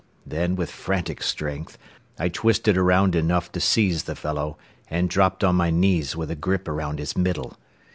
Then with frantic strength I twisted around enough to seize the fellow, and dropped on my knees with a grip around his middle.